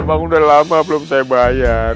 emang udah lama belum saya bayar